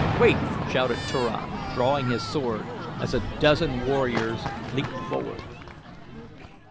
"Wait!" shouted Turan, drawing his sword, as a dozen warriors leaped forward.